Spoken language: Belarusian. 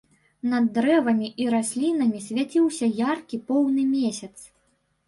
Над дрэвамі і раслінамі свяціўся яркі поўны месяц.